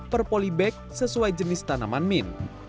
per polybag sesuai jenis tanaman min